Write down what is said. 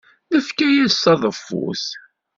Nefka-as taḍeffut.